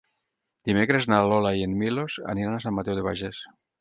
Dimecres na Lola i en Milos aniran a Sant Mateu de Bages.